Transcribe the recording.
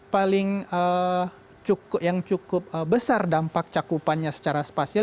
paling yang cukup besar dampak cakupannya secara spasial